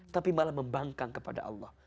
tapi malah membangkang kepada allah